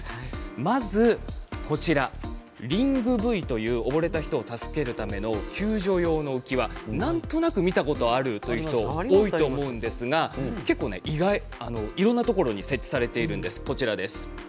まずリングブイという溺れた人を助けるための救助用の浮き輪なんとなく見たことあるという人多いと思うんですが結構いろんなところに設置されているんです。